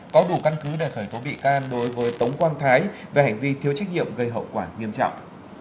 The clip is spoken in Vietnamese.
có đủ căn cứ để khởi tố bị can đối với tống quang thái về hành vi thiếu trách nhiệm gây hậu quả nghiêm trọng